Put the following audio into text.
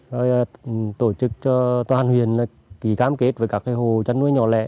rồi tổ chức cho toàn huyện ký cam kết với các hồ chăn nuôi nhỏ lẻ